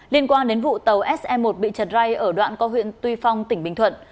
liên quan đến vụ tàu se một bị chật ray ở đoạn co huyện tuy phong tỉnh bình thuận